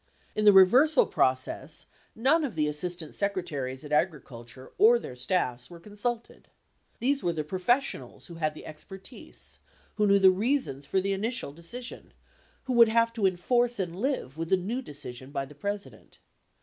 In the reversal process, none of the Assistant Secretaries at Agricul ture or their staffs were consulted. These were the professionals who had the expertise, who knew the reasons for the initial decision, who would have to enforce and live with the new decision by the President.